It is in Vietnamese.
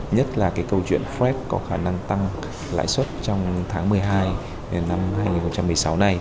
nhất là cái câu chuyện frede có khả năng tăng lãi suất trong tháng một mươi hai năm hai nghìn một mươi sáu này